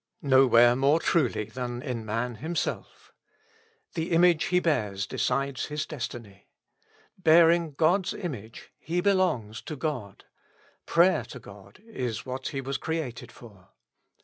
Nowhere more truly than in man himself. The image he bears decides his destiny. Bearing God's image, he belongs to God ; prayer to God is what he was created for.